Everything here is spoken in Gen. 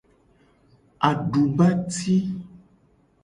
Adubati.